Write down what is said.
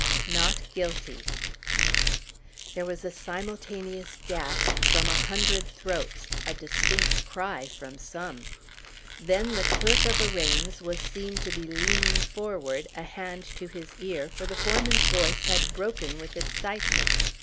"Not guilty." There was a simultaneous gasp from a hundred throats a distinct cry from some. Then the Clerk of Arraigns was seen to be leaning forward, a hand to his ear, for the foreman's voice had broken with excitement.